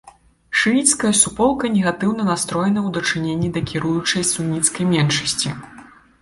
Шыіцкая суполка негатыўна настроеная ў дачыненні да кіруючай суніцкай меншасці.